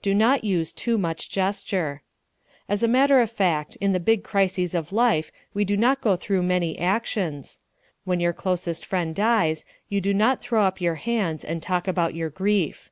Do Not Use Too Much Gesture As a matter of fact, in the big crises of life we do not go through many actions. When your closest friend dies you do not throw up your hands and talk about your grief.